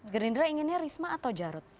gerindra inginnya risma atau jarut